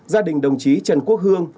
gia đình đồng chí trần quốc hương